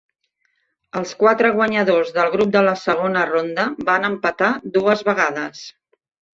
Els quatre guanyadors del grup de la segona ronda van empatar dues vegades.